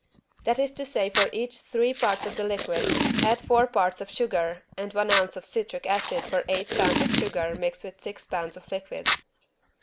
That is to say for each =three= parts of the liquid, add =four= parts of sugar, and =one= ounce of citric acid for =eight= pounds of sugar mixed with =six= pounds of liquid.